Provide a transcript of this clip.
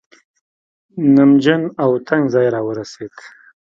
نمجن او تنګ ځای راورسېد.